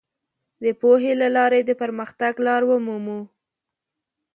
د پوهې له لارې د پرمختګ لار ومومو.